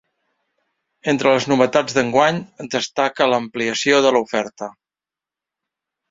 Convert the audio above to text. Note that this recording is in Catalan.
Entre les novetats d’enguany, destaca l’ampliació de l’oferta.